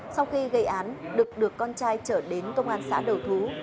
sau khi gây án đực được con trai trở đến công an xã đầu thú